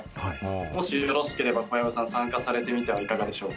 もしよろしければ、小籔さんも参加されてみてはいかがでしょうか。